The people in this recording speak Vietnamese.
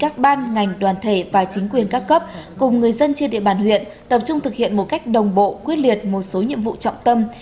các ban ngành đoàn thể và chính quyền các cấp cùng người dân trên địa bàn huyện tập trung thực hiện một cách đồng bộ quyết liệt một số nhiệm vụ trọng tâm